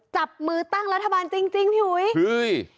จับมือตั้งรัฐบาลจริงจริงพี่หุยเฮ้ย